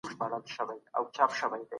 د ټولني هر اړخ ته باید پوره پام وسي.